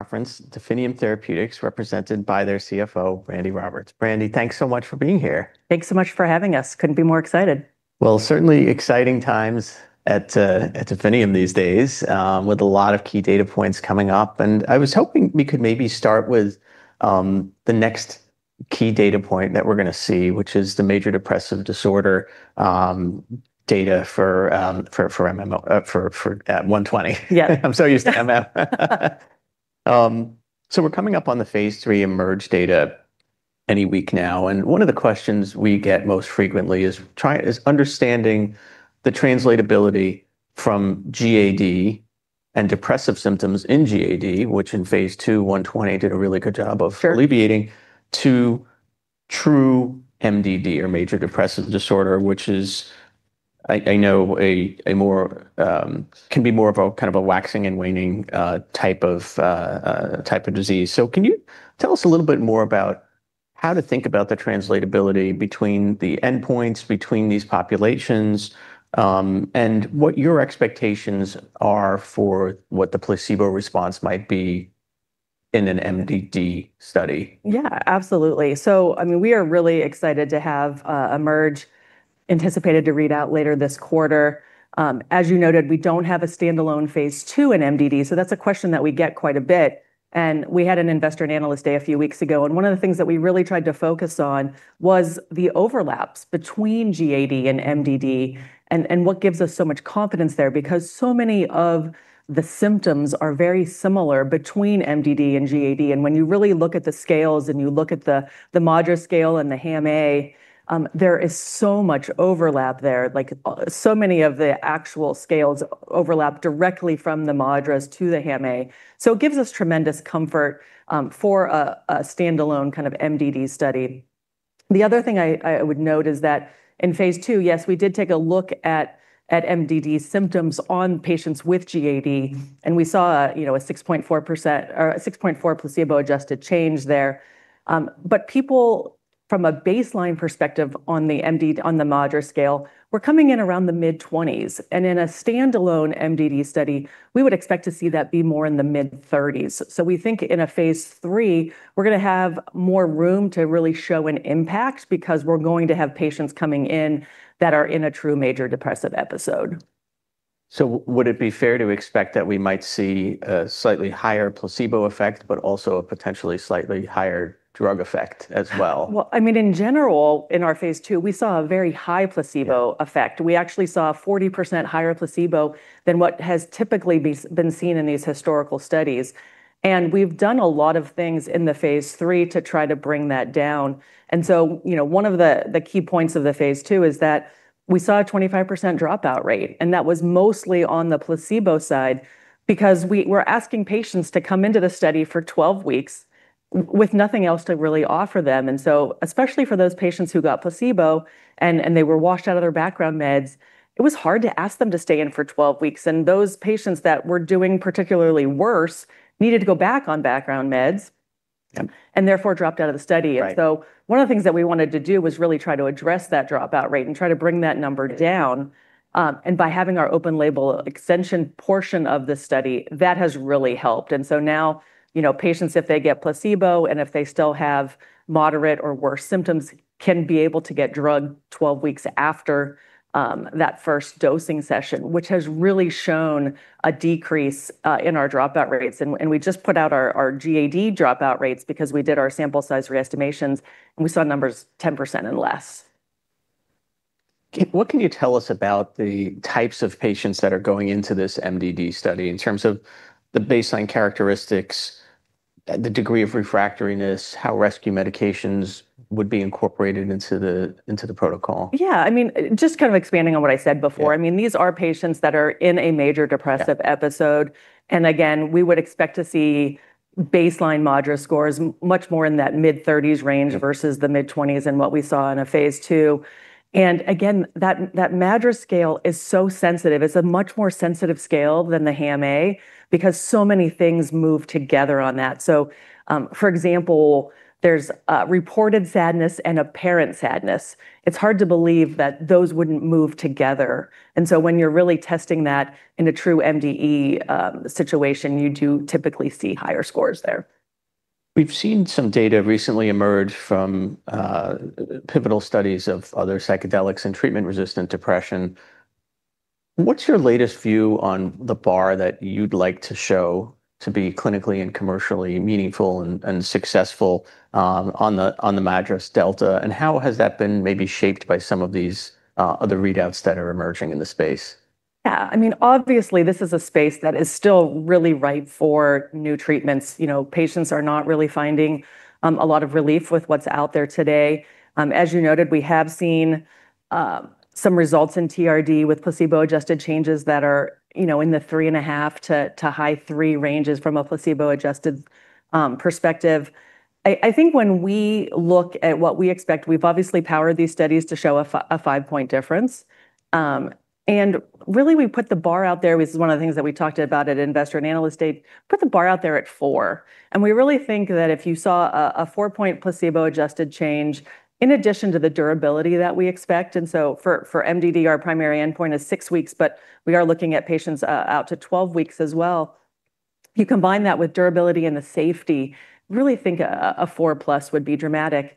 conference, Definium Therapeutics represented by their CFO, Brandi Roberts. Brandi, thanks so much for being here. Thanks so much for having us. Couldn't be more excited. Well, certainly exciting times at Definium these days, with a lot of key data points coming up. I was hoping we could maybe start with the next key data point that we're gonna see, which is the major depressive disorder data for DT-120. Yeah. I'm so used to MM. We're coming up on the phase III Emerge data any week now, and one of the questions we get most frequently is understanding the translatability from GAD and depressive symptoms in GAD, which in phase II DT-120 did a really good job. Sure. alleviating to true MDD or major depressive disorder, which is, I know a more can be more of a kind of a waxing and waning type of disease. Can you tell us a little bit more about how to think about the translatability between the endpoints, between these populations, and what your expectations are for what the placebo response might be in an MDD study? Yeah, absolutely. I mean, we are really excited to have Emerge anticipated to read out later this quarter. As you noted, we don't have a standalone phase II in MDD, so that's a question that we get quite a bit, and we had an Investor and Analyst Day a few weeks ago, and one of the things that we really tried to focus on was the overlaps between GAD and MDD and what gives us so much confidence there because so many of the symptoms are very similar between MDD and GAD. When you really look at the scales and you look at the MADRS scale and the HAM-A, there is so much overlap there, like so many of the actual scales overlap directly from the MADRS to the HAM-A. It gives us tremendous comfort for a standalone kind of MDD study. The other thing I would note is that in phase II, yes, we did take a look at MDD symptoms on patients with GAD, and we saw, you know, a 6.4% or a 6.4 placebo-adjusted change there. People from a baseline perspective on the MADRS scale, were coming in around the mid-20s. In a standalone MDD study, we would expect to see that be more in the mid-30s. We think in a phase III, we're gonna have more room to really show an impact because we're going to have patients coming in that are in a true major depressive episode. Would it be fair to expect that we might see a slightly higher placebo effect, but also a potentially slightly higher drug effect as well? Well, I mean, in general, in our phase II, we saw a very high placebo effect. We actually saw a 40% higher placebo than what has typically been seen in these historical studies. We've done a lot of things in the phase III to try to bring that down. You know, one of the key points of the phase II is that we saw a 25% dropout rate, and that was mostly on the placebo side because we were asking patients to come into the study for 12 weeks with nothing else to really offer them. Especially for those patients who got placebo and they were washed out of their background meds, it was hard to ask them to stay in for 12 weeks. Those patients that were doing particularly worse needed to go back on background meds. Yep. Therefore dropped out of the study. Right. One of the things that we wanted to do was really try to address that dropout rate and try to bring that number down. By having our open-label extension portion of the study, that has really helped. Now, you know, patients, if they get placebo and if they still have moderate or worse symptoms, can be able to get drug 12 weeks after that first dosing session, which has really shown a decrease in our dropout rates. We just put out our GAD dropout rates because we did our sample size re-estimations, and we saw numbers 10% and less. What can you tell us about the types of patients that are going into this MDD study in terms of the baseline characteristics, the degree of refractoriness, how rescue medications would be incorporated into the protocol? Yeah, I mean, just kind of expanding on what I said before. Yeah. I mean, these are patients that are in a major depressive episode. Again, we would expect to see baseline MADRS scores much more in that mid-30s range versus the mid-20s and what we saw in a phase II. Again, that MADRS scale is so sensitive. It's a much more sensitive scale than the HAM-A because so many things move together on that. For example, there's reported sadness and apparent sadness. It's hard to believe that those wouldn't move together. When you're really testing that in a true MDE situation, you do typically see higher scores there. We've seen some data recently emerge from pivotal studies of other psychedelics and treatment-resistant depression. What's your latest view on the bar that you'd like to show to be clinically and commercially meaningful and successful on the MADRS delta? How has that been maybe shaped by some of these other readouts that are emerging in the space? Yeah, I mean, obviously, this is a space that is still really ripe for new treatments. You know, patients are not really finding a lot of relief with what's out there today. As you noted, we have seen some results in TRD with placebo-adjusted changes that are, you know, in the 3.5 to high three ranges from a placebo-adjusted perspective. I think when we look at what we expect, we've obviously powered these studies to show a five-point difference. Really we put the bar out there, which is one of the things that we talked about at Investor and Analyst Day, put the bar out there at 4. We really think that if you saw a four-point placebo-adjusted change in addition to the durability that we expect, For MDD, our primary endpoint is six weeks, but we are looking at patients out to 12 weeks as well. You combine that with durability and the safety, really think a four plus would be dramatic.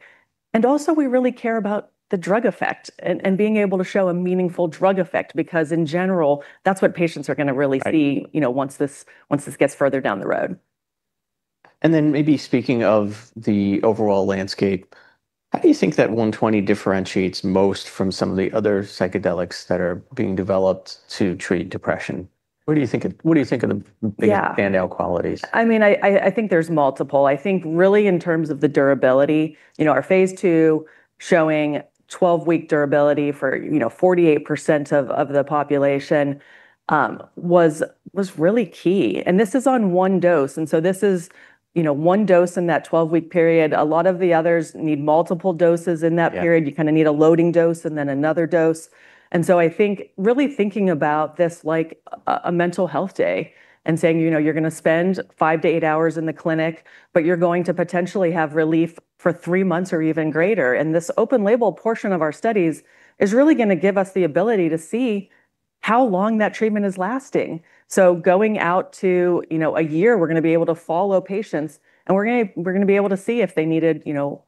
We really care about the drug effect and being able to show a meaningful drug effect because in general, that's what patients are gonna really see. Right. You know, once this gets further down the road. Maybe speaking of the overall landscape, how do you think that DT-120 differentiates most from some of the other psychedelics that are being developed to treat depression? Yeah. Big standout qualities? I mean, I think there's multiple. I think really in terms of the durability, you know, our phase II showing 12-week durability for, you know, 48% of the population was really key. This is on one dose, this is, you know, one dose in that 12-week period. A lot of the others need multiple doses in that period. Yeah. You kind of need a loading dose and then another dose. I think really thinking about this like a mental health day and saying, you know, you're gonna spend five to eight hours in the clinic, but you're going to potentially have relief for three months or even greater. This open-label portion of our studies is really gonna give us the ability to see how long that treatment is lasting. Going out to, you know, one year we're gonna be able to follow patients, and we're gonna be able to see if they needed, you know,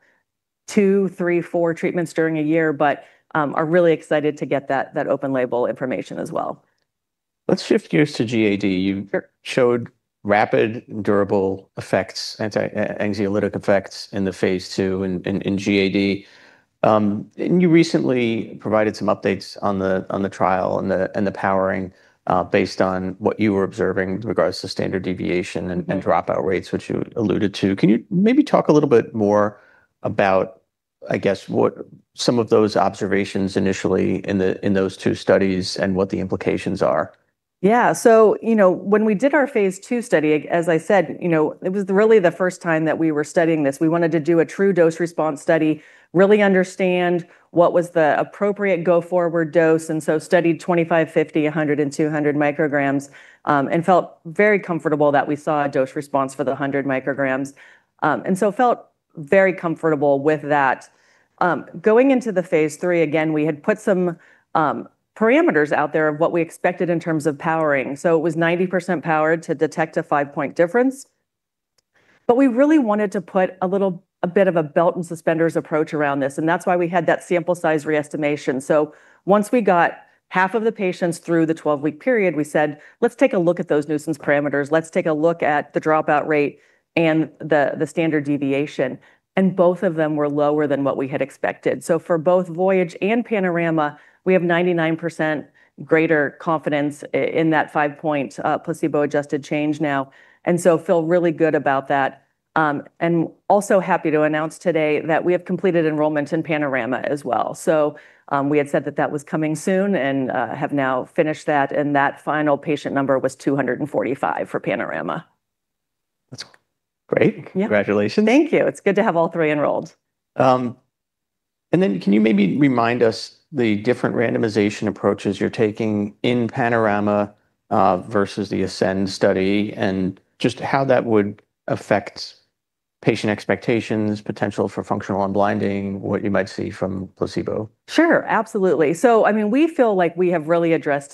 two, three, four treatments during one year, but are really excited to get that open-label information as well. Let's shift gears to GAD. Sure. You showed rapid durable effects, anti-anxiolytic effects in the phase II in GAD. You recently provided some updates on the trial and the powering, based on what you were observing with regards to standard deviation. Yeah. Dropout rates, which you alluded to. Can you maybe talk a little bit more about, I guess, what some of those observations initially in those two studies and what the implications are? Yeah. When we did our phase II study, as I said, it was really the first time that we were studying this. We wanted to do a true dose-response study, really understand what was the appropriate go-forward dose, studied 25, 50, 100 and 200 micrograms, and felt very comfortable that we saw a dose response for the 100-micrograms. Felt very comfortable with that. Going into the phase III, again, we had put some parameters out there of what we expected in terms of powering. It was 90% powered to detect a five-point difference. We really wanted to put a bit of a belt and suspenders approach around this, and that's why we had that sample size re-estimation. Once we got half of the patients through the 12-week period, we said, "Let's take a look at those nuisance parameters. Let's take a look at the dropout rate and the standard deviation." Both of them were lower than what we had expected. For both Voyage and Panorama, we have 99% greater confidence in that five-point placebo-adjusted change now, feel really good about that. Also happy to announce today that we have completed enrollment in Panorama as well. We had said that that was coming soon and have now finished that, and that final patient number was 245 for Panorama. That's great. Yeah. Congratulations. Thank you. It's good to have all three enrolled. Then can you maybe remind us the different randomization approaches you're taking in Panorama, versus the Ascend study, and just how that would affect patient expectations, potential for functional unblinding, what you might see from placebo? Sure. Absolutely. I mean, we feel like we have really addressed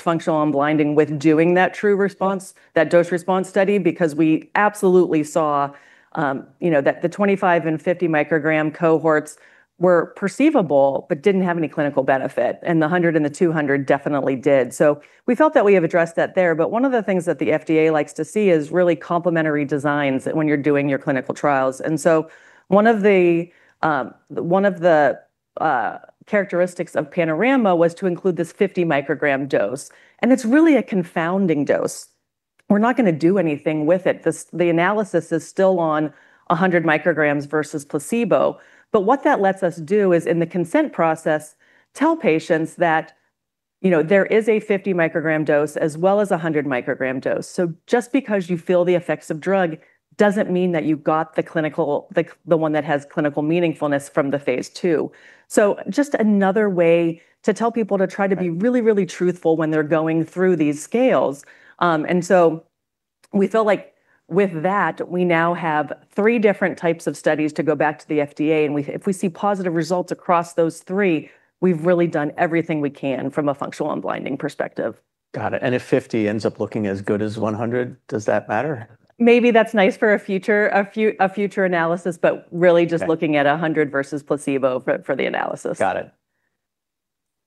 functional unblinding with doing that true response, that dose-response study because we absolutely saw, you know, that the 25 and 50-microgram cohorts were perceivable but didn't have any clinical benefit, and the 100 and the 200 definitely did. We felt that we have addressed that there. One of the things that the FDA likes to see is really complementary designs when you're doing your clinical trials. One of the characteristics of Panorama was to include this 50-microgram dose, and it's really a confounding dose. We're not gonna do anything with it. This, the analysis is still on 100-micrograms versus placebo. What that lets us do is in the consent process tell patients that, you know, there is a 50-microgram dose as well as 100-microgram dose. Just because you feel the effects of drug doesn't mean that you got the clinical, the one that has clinical meaningfulness from the phase II. Just another way to tell people to try to be really. Right. Really truthful when they're going through these scales. We feel like with that we now have three different types of studies to go back to the FDA, and we, if we see positive results across those three, we've really done everything we can from a functional unblinding perspective. Got it. If 50 ends up looking as good as 100, does that matter? Maybe that's nice for a future, a future analysis. Okay. At 100 versus placebo for the analysis. Got it.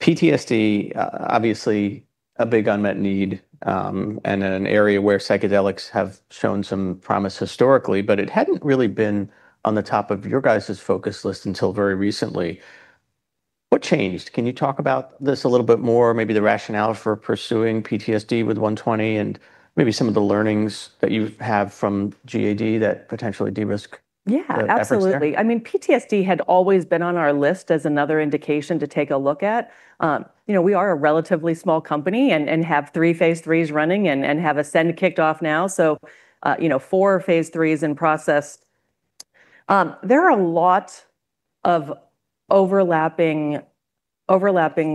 PTSD, obviously a big unmet need, and an area where psychedelics have shown some promise historically. It hadn't really been on the top of your guys' focus list until very recently. What changed? Can you talk about this a little bit more, maybe the rationale for pursuing PTSD with DT-120 and maybe some of the learnings that you have from GAD that potentially? Yeah. The effort there? Absolutely. I mean, PTSD had always been on our list as another indication to take a look at. You know, we are a relatively small company and have three phase IIIs running and have Ascend kicked off now, four phase IIIs in process. There are a lot of overlapping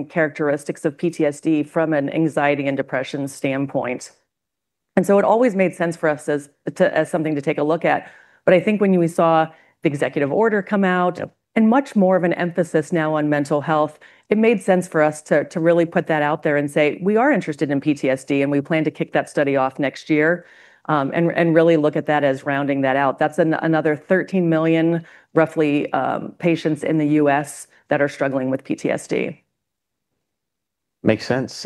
characteristics of PTSD from an anxiety and depression standpoint. So it always made sense for us as something to take a look at. I think when we saw the executive order come out. Yep. Much more of an emphasis now on mental health, it made sense for us to really put that out there and say, "We are interested in PTSD, and we plan to kick that study off next year," and really look at that as rounding that out. That's another 13 million roughly, patients in the U.S. that are struggling with PTSD. Makes sense.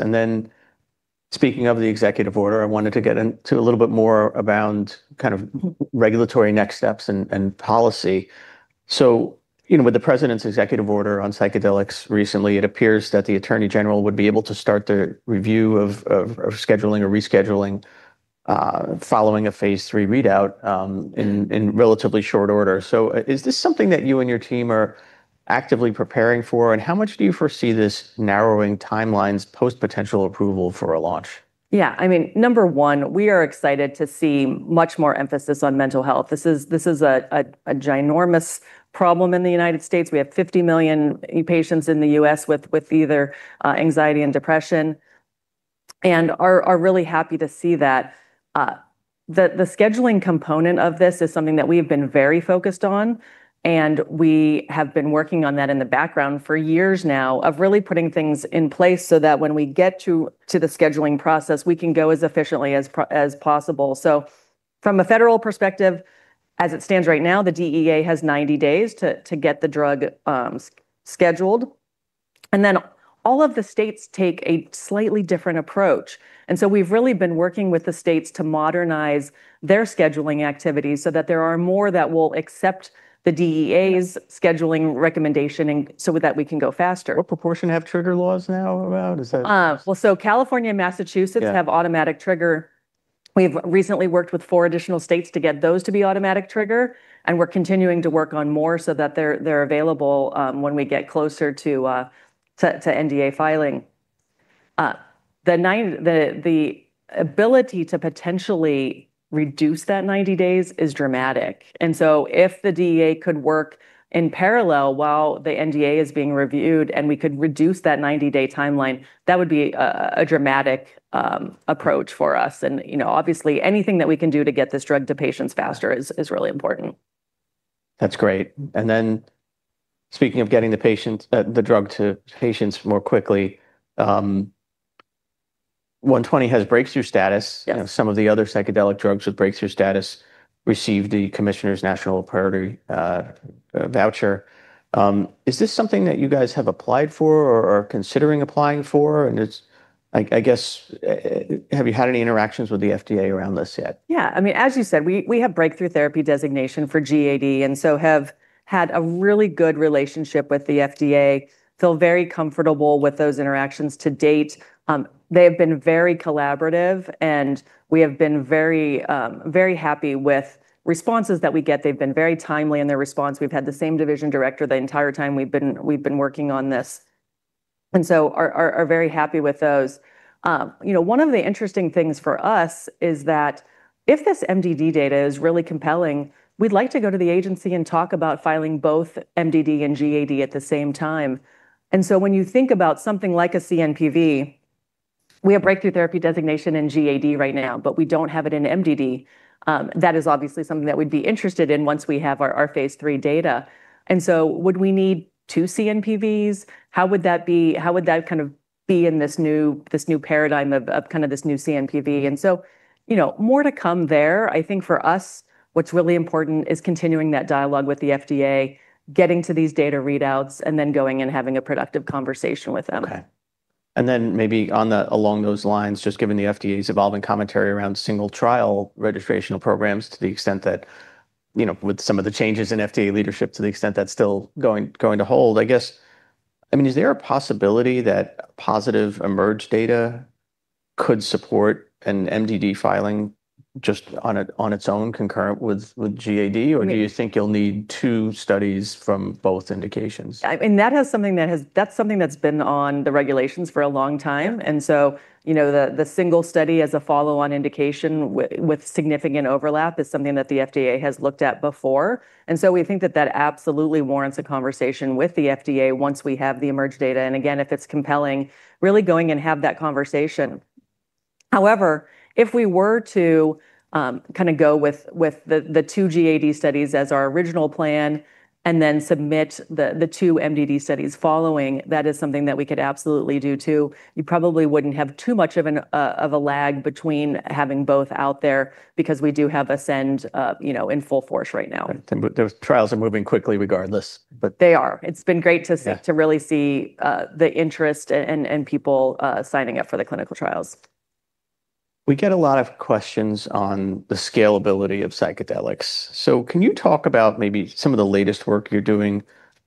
Speaking of the executive order, I wanted to get into a little bit more around kind of regulatory next steps and policy. You know, with the president's executive order on psychedelics recently, it appears that the attorney general would be able to start the review of scheduling or rescheduling following a phase III readout in relatively short order. Is this something that you and your team are actively preparing for, and how much do you foresee this narrowing timelines post potential approval for a launch? Yeah, I mean, number one, we are excited to see much more emphasis on mental health. This is a ginormous problem in the U.S. We have 50 million patients in the U.S. with either anxiety and depression, and are really happy to see that. The scheduling component of this is something that we have been very focused on, and we have been working on that in the background for years now of really putting things in place so that when we get to the scheduling process, we can go as efficiently as possible. From a federal perspective, as it stands right now, the DEA has 90 days to get the drug scheduled, and then all of the states take a slightly different approach. We've really been working with the states to modernize their scheduling activities so that there are more that will accept the DEA's scheduling recommendation and so with that, we can go faster. What proportion have trigger laws now around? California and Massachusetts. Yeah. Have automatic trigger. We've recently worked with four additional states to get those to be automatic trigger, and we're continuing to work on more so that they're available when we get closer to NDA filing. The ability to potentially reduce that 90 days is dramatic, and so if the DEA could work in parallel while the NDA is being reviewed and we could reduce that 90-day timeline, that would be a dramatic approach for us. You know, obviously anything that we can do to get this drug to patients faster is really important. That's great. Speaking of getting the patient, the drug to patients more quickly, DT-120 has breakthrough status. Yeah. You know, some of the other psychedelic drugs with breakthrough status received the Commissioner's National Priority Voucher. Is this something that you guys have applied for or are considering applying for? I guess, have you had any interactions with the FDA around this yet? As you said, we have breakthrough therapy designation for GAD and have had a really good relationship with the FDA, feel very comfortable with those interactions to date. They have been very collaborative, and we have been very happy with responses that we get. They've been very timely in their response. We've had the same division director the entire time we've been working on this, are very happy with those. One of the interesting things for us is that if this MDD data is really compelling, we'd like to go to the agency and talk about filing both MDD and GAD at the same time. When you think about something like a CNPV, we have breakthrough therapy designation in GAD right now, but we don't have it in MDD. That is obviously something that we'd be interested in once we have our phase III data. Would we need two CNPVs? How would that kind of be in this new paradigm of kind of this new CNPV? You know, more to come there. I think for us, what's really important is continuing that dialogue with the FDA, getting to these data readouts, going and having a productive conversation with them. Okay. Maybe on the, along those lines, just given the FDA's evolving commentary around single trial registrational programs to the extent that, you know, with some of the changes in FDA leadership to the extent that's still going to hold, I guess, I mean, is there a possibility that positive Emerge data could support an MDD filing just on it, on its own concurrent with GAD? Right. Do you think you'll need two studies from both indications? That's something that's been on the regulations for a long time. Yeah. You know, the single study as a follow-on indication with significant overlap is something that the FDA has looked at before. We think that that absolutely warrants a conversation with the FDA once we have the Emerge data, and again, if it's compelling, really going and have that conversation. However, if we were to kinda go with the two GAD studies as our original plan and then submit the two MDD studies following, that is something that we could absolutely do too. You probably wouldn't have too much of a lag between having both out there because we do have Ascend, you know, in full force right now. The trials are moving quickly regardless. They are. Yeah. To really see, the interest and people, signing up for the clinical trials. We get a lot of questions on the scalability of psychedelics. Can you talk about maybe some of the latest work you're doing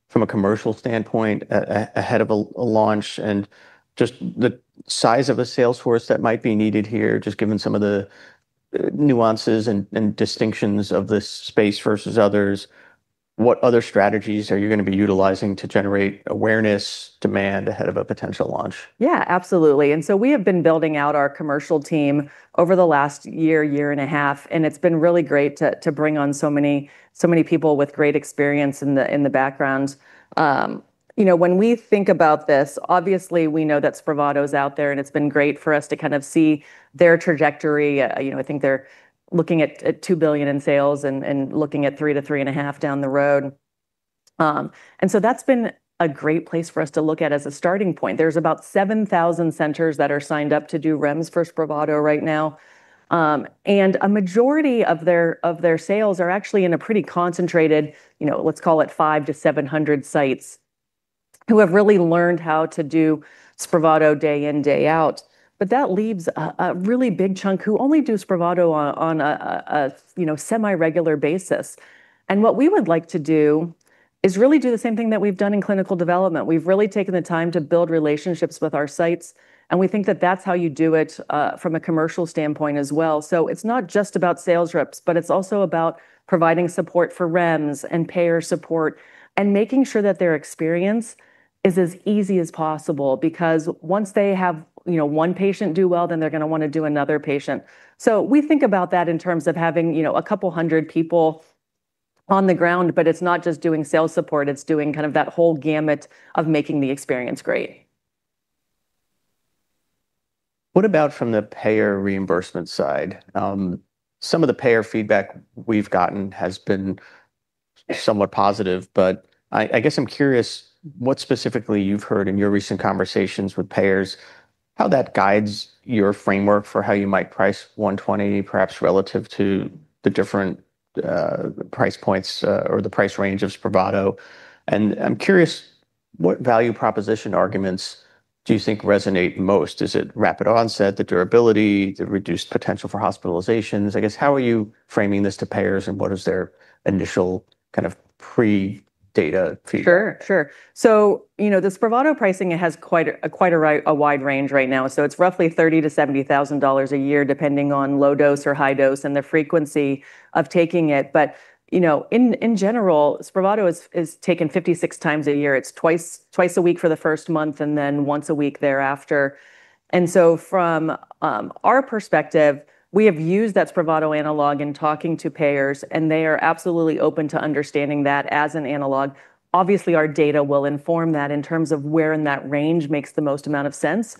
from a commercial standpoint ahead of a launch and just the size of a sales force that might be needed here, just given some of the nuances and distinctions of this space versus others? What other strategies are you gonna be utilizing to generate awareness, demand ahead of a potential launch? Absolutely. We have been building out our commercial team over the last year and a half, and it's been really great to bring on so many people with great experience in the background. You know, when we think about this, obviously we know that SPRAVATO's out there, and it's been great for us to kind of see their trajectory. You know, I think they're looking at $2 billion in sales and looking at $3 billion-$3.5 billion down the road. That's been a great place for us to look at as a starting point. There's about 7,000 centers that are signed up to do REMS for SPRAVATO right now. A majority of their sales are actually in a pretty concentrated, you know, let's call it 500-700 sites who have really learned how to do SPRAVATO day in, day out. That leaves a really big chunk who only do SPRAVATO on a, you know, semi-regular basis. What we would like to do is really do the same thing that we've done in clinical development. We've really taken the time to build relationships with our sites, and we think that that's how you do it from a commercial standpoint as well. It's not just about sales reps, but it's also about providing support for REMS and payer support, and making sure that their experience is as easy as possible. Once they have, you know, one patient do well, then they're gonna wanna do another patient. We think about that in terms of having, you know, 200 people on the ground, but it's not just doing sales support, it's doing kind of that whole gamut of making the experience great. What about from the payer reimbursement side? Some of the payer feedback we've gotten has been somewhat positive, but I guess I'm curious what specifically you've heard in your recent conversations with payers, how that guides your framework for how you might price DT-120 perhaps relative to the different price points or the price range of SPRAVATO. I'm curious what value proposition arguments do you think resonate most. Is it rapid onset, the durability, the reduced potential for hospitalizations? I guess, how are you framing this to payers, and what is their initial kind of pre-data feedback? Sure, sure. You know, the SPRAVATO pricing has quite a wide range right now. It's roughly $30,000-$70,000 a year depending on low dose or high dose and the frequency of taking it. You know, in general, SPRAVATO is taken 56 times a year. It's twice a week for the first month, and then once a week thereafter. From our perspective, we have used that SPRAVATO analog in talking to payers, and they are absolutely open to understanding that as an analog. Obviously, our data will inform that in terms of where in that range makes the most amount of sense.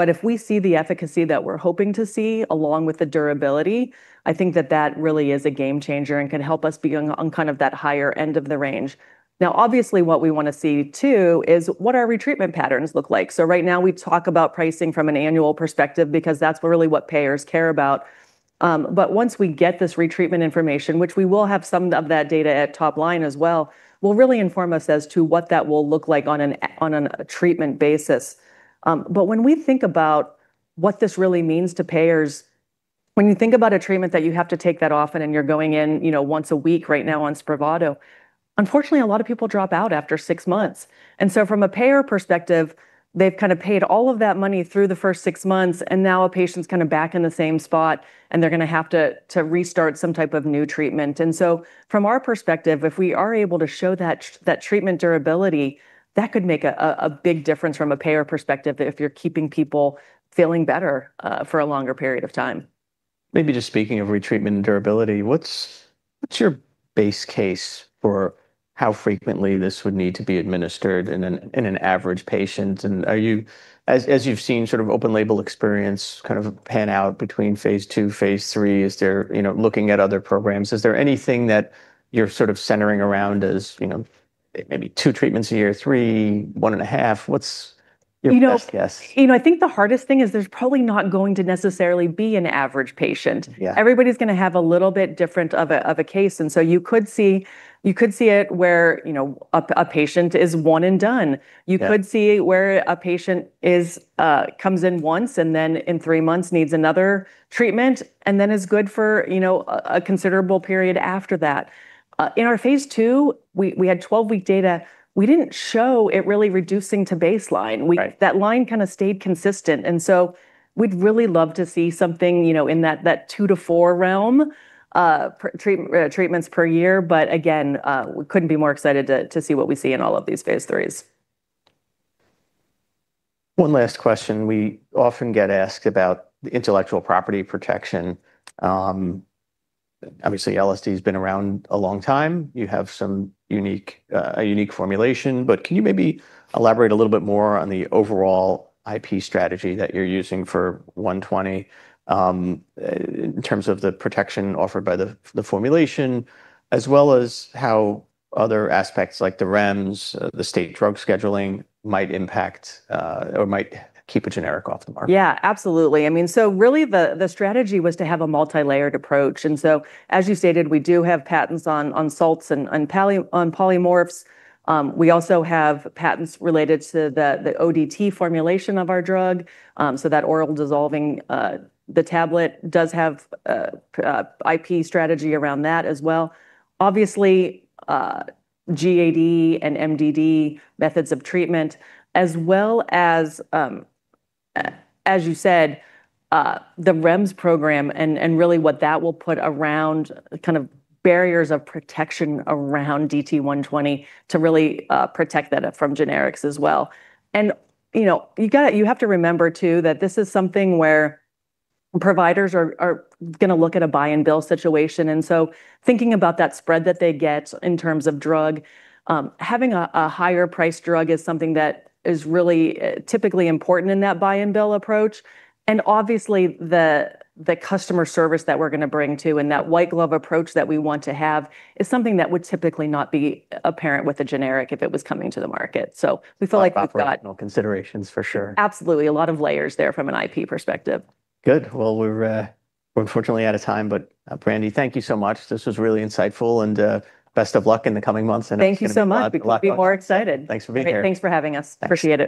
If we see the efficacy that we're hoping to see, along with the durability, I think that really is a game changer and can help us be on kind of that higher end of the range. Now, obviously, what we want to see too is what our retreatment patterns look like. Right now we talk about pricing from an annual perspective because that's really what payers care about. Once we get this retreatment information, which we will have some of that data at top line as well, will really inform us as to what that will look like on an treatment basis. When we think about what this really means to payers, when you think about a treatment that you have to take that often and you're going in, you know, once a week right now on SPRAVATO, unfortunately, a lot of people drop out after six months. From a payer perspective, they've kind of paid all of that money through the first six months, and now a patient's kind of back in the same spot, and they're gonna have to restart some type of new treatment. From our perspective, if we are able to show that treatment durability, that could make a big difference from a payer perspective if you're keeping people feeling better for a longer period of time. Maybe just speaking of retreatment and durability, what's your base case for how frequently this would need to be administered in an average patient? As you've seen sort of open-label experience kind of pan out between phase II, phase III, is there, you know, looking at other programs, is there anything that you're sort of centering around as, you know, maybe two treatments a year, three, one and a half? What's your best guess? You know, I think the hardest thing is there's probably not going to necessarily be an average patient. Yeah. Everybody's gonna have a little bit different of a case. You could see it where, you know, a patient is one and done. Yeah. You could see where a patient is, comes in once, and then in three months needs another treatment, and then is good for, you know, a considerable period after that. In our phase II, we had 12-week data. We didn't show it really reducing to baseline. Right. That line kind of stayed consistent. We'd really love to see something, you know, in that two to four realm, treatments per year. Again, we couldn't be more excited to see what we see in all of these phase IIIs. One last question. We often get asked about the intellectual property protection. Obviously LSD's been around a long time. You have some unique formulation. Can you maybe elaborate a little bit more on the overall IP strategy that you're using for DT-120 in terms of the protection offered by the formulation, as well as how other aspects like the REMS, the state drug scheduling might impact or might keep a generic off the market? Yeah, absolutely. I mean, really the strategy was to have a multi-layered approach. As you stated, we do have patents on salts and on polymorphs. We also have patents related to the ODT formulation of our drug, so that oral dissolving, the tablet does have IP strategy around that as well. Obviously, GAD and MDD methods of treatment, as well as you said, the REMS program and really what that will put around kind of barriers of protection around DT-120 to really protect that from generics as well. You know, you have to remember too that this is something where providers are gonna look at a buy-and-bill situation. Thinking about that spread that they get in terms of drug, having a higher priced drug is something that is really typically important in that buy-and-bill approach. Obviously the customer service that we're gonna bring too, and that white-glove approach that we want to have is something that would typically not be apparent with a generic if it was coming to the market. Operational considerations, for sure. Absolutely. A lot of layers there from an IP perspective. Good. Well, we're unfortunately out of time. Brandi, thank you so much. This was really insightful. Best of luck in the coming months. Thank you so much. A lot of luck. Couldn't be more excited. Thanks for being here. Thanks for having us. Appreciate it.